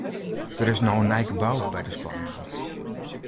Der is no in nij gebou by de skoalle boud.